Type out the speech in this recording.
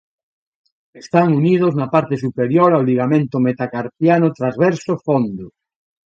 Están unidos na parte superior ao ligamento metacarpiano transverso fondo.